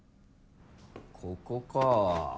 ここか。